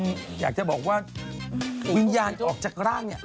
อยากจะบอกว่าวิญญาณออกจากร่างเนี่ย